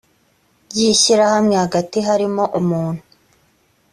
ry ishyirahamwe hagati harimo umuntu